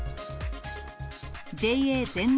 ＪＡ全農